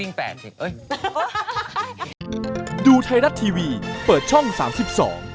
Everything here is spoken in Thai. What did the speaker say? นี่ก็วิ่ง๘๐เอ้ย